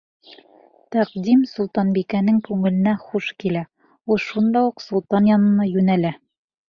Тәҡдим солтанбикәнең күңеленә хуш килә, ул шунда уҡ солтан янына йүнәлә.